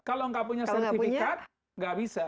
kalau tidak punya sertifikat tidak bisa